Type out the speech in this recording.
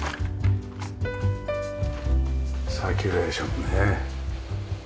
サーキュレーションね。